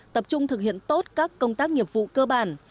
tập trung thực hiện tốt các công tác nghiệp vụ cơ bản